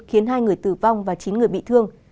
khiến hai người tử vong và chín người bị thương